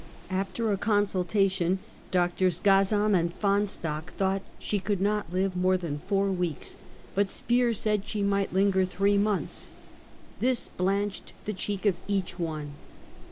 After a consultation, Drs. Gazzam and Fahnestock thought she could not live more than four weeks; but Spear said she might linger three months. This blanched the cheek of each one.